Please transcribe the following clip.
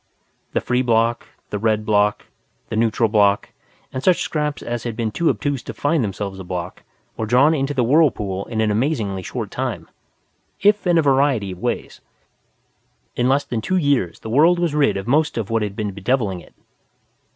The Free Bloc, the Red Bloc, the Neutral Bloc and such scraps as had been too obtuse to find themselves a Bloc were drawn into the whirlpool in an amazingly short time, if in a variety of ways. In less than two years the world was rid of most of what had been bedeviling it.